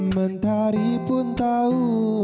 mentari pun tahu